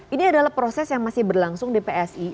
ini adalah proses yang masih berlangsung di psi